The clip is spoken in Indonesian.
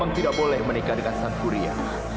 aku tidak boleh menikah dengan sankuria